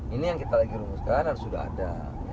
ini yang kita lagi rumuskan dan sudah ada